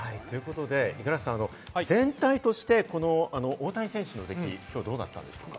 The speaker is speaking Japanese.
五十嵐さん、全体として大谷選手の出来、今日はどうだったんでしょうか？